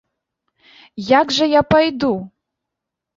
Як жа я пайду?